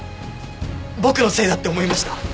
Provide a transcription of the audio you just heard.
僕のせいだって思いました。